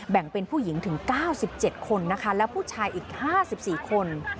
แบ่งเป็นผู้หญิงถึง๙๗คนนะคะและผู้ชายอีก๕๔คน